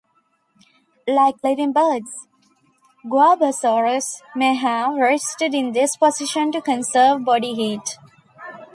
Like living birds, "Guaibasaurus" may have rested in this position to conserve body heat.